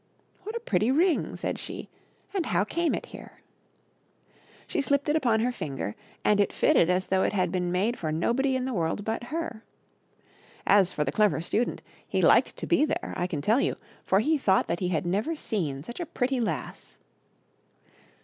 " What a pretty ring !" said she. " And how came it here ?" She slipped it upon her finger, and it fitted as though it had been made for nobody in the world but her. As for the Clever Student, he liked to be there, I can tell you, for he thought that he had never seen such a pretty lass.